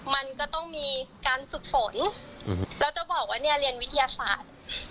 มันก็ต้องมีการฝึกฝนแล้วจะบอกว่าเนี่ยเรียนวิทยาศาสตร์